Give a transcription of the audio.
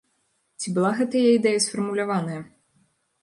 Ці была гэтая ідэя сфармуляваная?